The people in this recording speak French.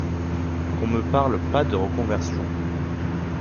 Qu’on me parle pas de reconversion.